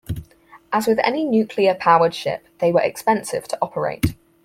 As with any nuclear powered ship, they were expensive to operate.